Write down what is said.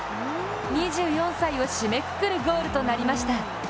２４歳を締めくくるゴールとなりました。